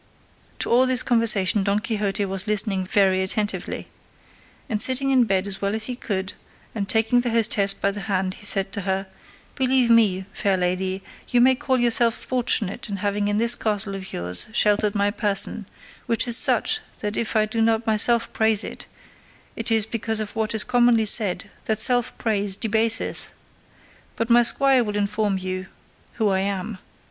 To all this conversation Don Quixote was listening very attentively, and sitting up in bed as well as he could, and taking the hostess by the hand he said to her, "Believe me, fair lady, you may call yourself fortunate in having in this castle of yours sheltered my person, which is such that if I do not myself praise it, it is because of what is commonly said, that self praise debaseth; but my squire will inform you who I am.